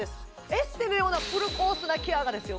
エステのようなフルコースなケアがですよ